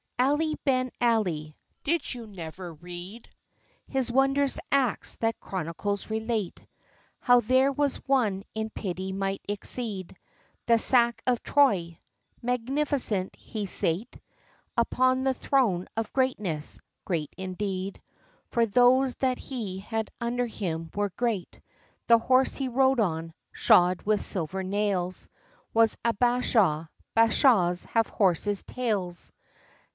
I. Ali Ben Ali (did you never read His wond'rous acts that chronicles relate, How there was one in pity might exceed The Sack of Troy?) Magnificent he sate Upon the throne of greatness great indeed! For those that he had under him were great The horse he rode on, shod with silver nails, Was a Bashaw Bashaws have horses' tails.